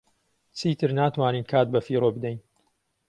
چیتر ناتوانین کات بەفیڕۆ بدەین.